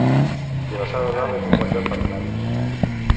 Vilassar de Dalt es un bon lloc per anar-hi